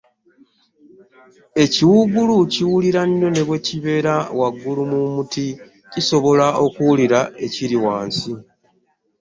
Ekiwuugulu kiwulira nnyo ne bwe kibeera waggulu mu muti kisobola okuwulira ekiri wansi.